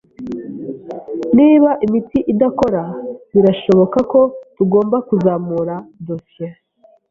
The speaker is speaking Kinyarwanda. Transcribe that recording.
Niba imiti idakora, birashoboka ko tugomba kuzamura dosiye.